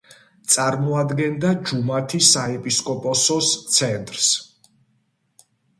წარმოადგენდა ჯუმათის საეპისკოპოსოს ცენტრს.